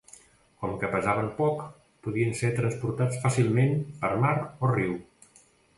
Com que pesaven poc, podien ser transportats fàcilment per mar o riu.